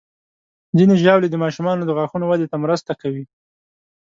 ځینې ژاولې د ماشومانو د غاښونو وده ته مرسته کوي.